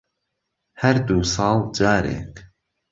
هەر دوو ساڵ جارێک